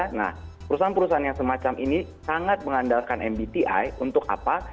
nah perusahaan perusahaan yang semacam ini sangat mengandalkan mbti untuk apa